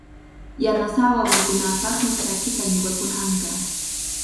Yanasaawan mikunaapaqmi charkita ñuqakuna kankaa.